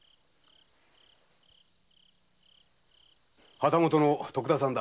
旗本の徳田さんだ。